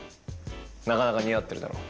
なかなか似合ってるだろ？